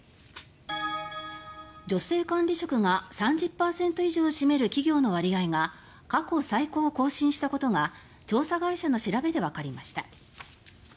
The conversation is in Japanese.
女性管理職が３０％以上を占める企業の割合が過去最高を更新したことが調査会社の調べでわかりました。